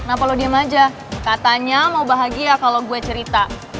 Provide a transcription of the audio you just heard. kenapa lo diem aja katanya mau bahagia kalo gue cerita